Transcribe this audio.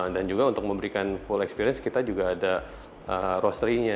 dan juga untuk memberikan full experience kita juga ada roastery nya